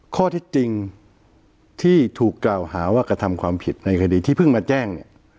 ข้อที่จริงที่ถูกกล่าวหาว่ากระทำความผิดในคดีที่เพิ่งมาแจ้งเนี่ย